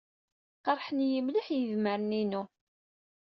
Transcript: Qerḥen-iyi mliḥ yedmaren-inu.